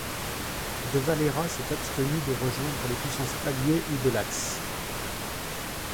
De Valera s'est abstenu de rejoindre les puissances alliées ou de l'Axe.